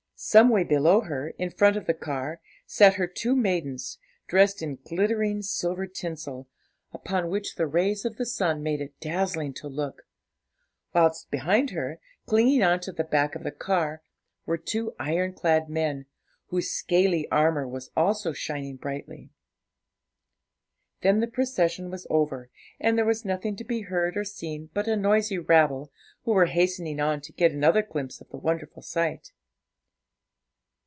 Some way below her, in front of the car, sat her two maidens, dressed in glittering silver tinsel, upon which the rays of the sun made it dazzling to look; whilst behind her, clinging on to the back of the car, were two iron clad men, whose scaly armour was also shining brightly. Then the procession was over, and there was nothing to be heard or seen but a noisy rabble, who were hastening on to get another glimpse of the wonderful sight.